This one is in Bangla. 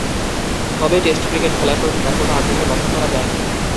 তবে, টেস্ট ক্রিকেট খেলার প্রতি তার কোন আগ্রহ লক্ষ্য করা যায়নি।